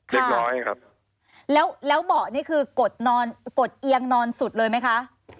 เรียบร้อยครับแล้วแล้วเบาะนี่คือกดนอนกดเอียงนอนสุดเลยไหมคะ